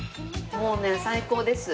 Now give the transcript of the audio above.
もうね最高です。